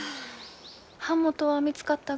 版元は見つかったが？